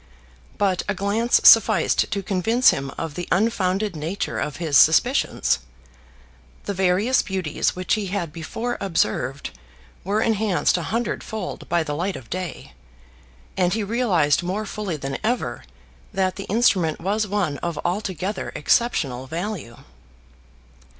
But a glance sufficed to convince him of the unfounded nature of his suspicions. The various beauties which he had before observed were enhanced a hundredfold by the light of day, and he realised more fully than ever that the instrument was one of altogether exceptional value.